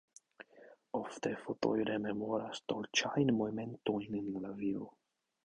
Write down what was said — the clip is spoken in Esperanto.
Ofte fotoj rememoras dolĉajn momentojn el la vivo.